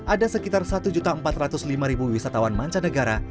ada sekitar satu empat ratus lima wisatawan mancanegara